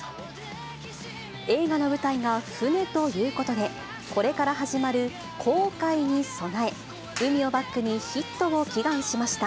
映画の舞台が船ということで、これから始まるこうかいに備え、海をバックにヒットを祈願しました。